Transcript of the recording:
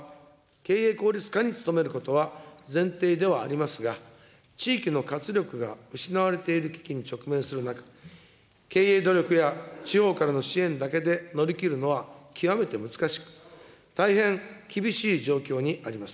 経営効率を努めることは前提ではありますが、地域の活力が失われている危機に直面する中、経営努力や地方からの支援だけで乗り切るのは極めて難しく、大変厳しい状況にあります。